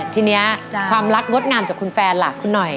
ทีนี้ความรักงดงามจากคุณแฟนล่ะคุณหน่อย